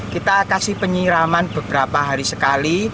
kita kasih penyiraman beberapa hari sekali